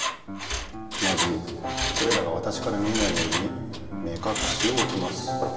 まずこれらがわたしから見えないように目かくしをおきます。